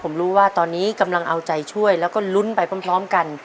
ผมรู้ว่าตอนนี้กำลังเอาใจช่วยแล้วก็ลุ้นไปพร้อมกัน